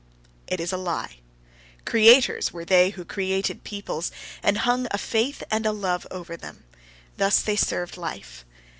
It is a lie! Creators were they who created peoples, and hung a faith and a love over them: thus they served life.